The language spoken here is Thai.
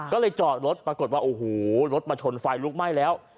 ก็เลยจอดรถปรากฏว่าโอ้โหรถมาชนไฟลุกไหม้แล้ว